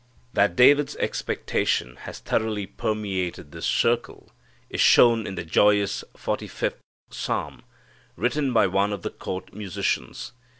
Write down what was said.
That David's expectation had thoroughly permeated his circle is shown in the joyous Forty fifth Psalm, written by one of the court musicians.